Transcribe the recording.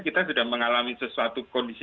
kita sudah mengalami sesuatu kondisi